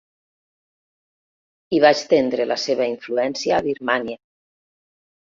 I va estendre la seva influència a Birmània.